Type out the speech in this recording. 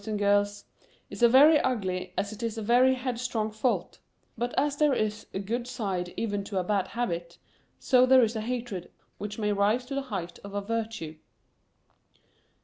Hatred, boys and girls, is a very ugly as it is a very headstrong fault; but as there is a good side even to a bad habit, so there is a hatred which may rise to the heighth of a virtue.